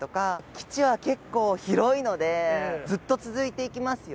基地は結構広いので、ずっと続いていきますよ。